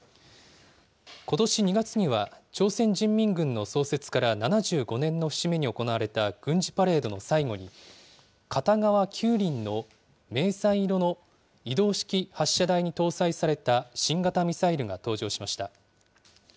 ことし２月には、朝鮮人民軍の創設から７５年の節目に行われた軍事パレードの最後に、片側９輪の迷彩色の移動式発射台に搭載された新型ミサイルが登場しました。